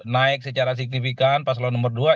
naik secara signifikan pas lo nomor dua